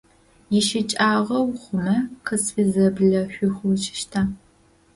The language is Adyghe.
Ищыкӏагъэу хъумэ, къысфызэблэшъухъужьыщта?